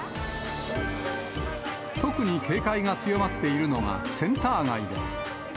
特に警戒が強まっているのが、センター街です。